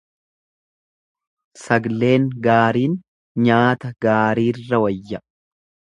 Sagleen gaariin nyaata gaarirra wayya.